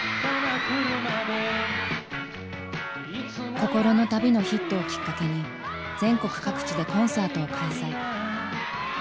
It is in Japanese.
「心の旅」のヒットをきっかけに全国各地でコンサートを開催。